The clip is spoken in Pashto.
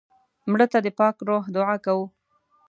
مړه ته د پاک روح دعا کوو